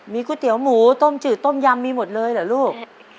ก๋วยเตี๋ยวหมูต้มจืดต้มยำมีหมดเลยเหรอลูก